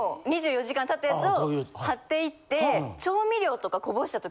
２４時間経ったやつを貼っていって。